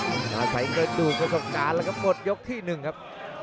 วาน่าใส่เก้าซ่องดูดคโยชน์สมการแล้วก็หมดยกที่หนึ่งครับ